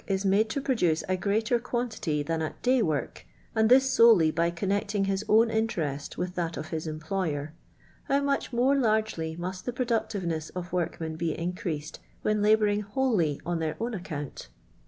is made to produce a greater quantity than at day work, and this solely by conm^cting his awn interest with that of his employer, how much more krgely mast the productiveness of workmen be iacrcaaed when Uboaring wholly on Uieix own account!